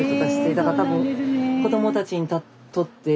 だから多分子どもたちにとってうん。